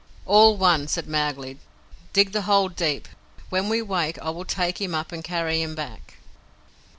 "All one," said Mowgli. "Dig the hole deep. When we wake I will take him up and carry him back."